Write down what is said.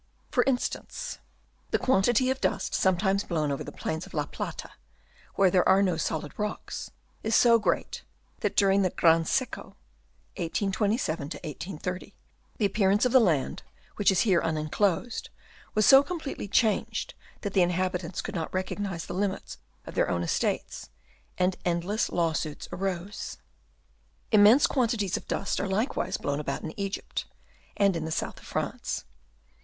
For instance, the quantity of dust sometimes blown over the plains of La Plata, where there are no solid rocks, is so great, that during the " gran seco," 1827 to 1830, the appearance of the land, which is here unenclosed, was so completely changed that the inhabitants could not recognise the limits of their own estates, and endless law suits arose. Immense quantities of dust are likewise blown about in Egypt and in the Chap. V. AND DENUDATION. 239 south of France.